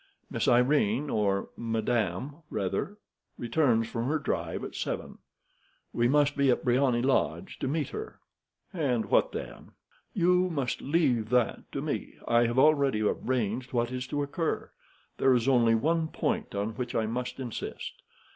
Miss Irene, or Madame, rather, returns from her drive at seven. We must be at Briony Lodge to meet her." "And what then?" "You must leave that to me. I have already arranged what is to occur. There is only one point on which I must insist.